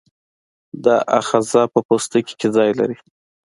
دا آخذه په پوستکي کې ځای لري.